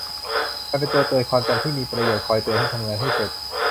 มันเป็นตัวเตือนความจำที่มีประโยชน์ คอยเตือนให้ทำงานให้เสร็จ